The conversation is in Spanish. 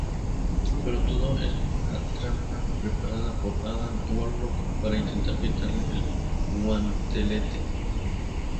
Pero todo es una trampa preparada por Adam Warlock para intentar quitarle el guantelete.